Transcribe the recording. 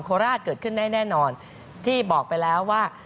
โคราชเกิดขึ้นได้แน่นอนที่บอกไปแล้วว่า